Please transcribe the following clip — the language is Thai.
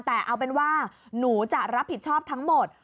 แต่เอาเป็นว่าหนูจะรับผิดชอบทั้งหมด